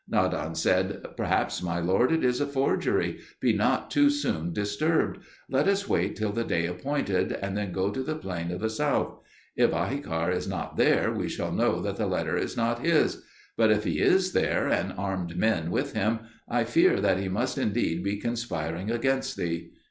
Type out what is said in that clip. Nadan said, "Perhaps, my lord, it is a forgery; be not too soon disturbed; let us wait till the day appointed, and then go to the plain of the south; if Ahikar is not there, we shall know that the letter is not his; but if he is there, and armed men with him, I fear that he must indeed be conspiring against thee."